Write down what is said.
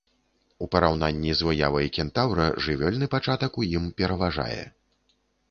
У параўнанні з выявай кентаўра жывёльны пачатак у ім пераважае.